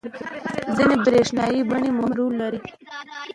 ځینې برېښنايي بڼې مهم رول لري.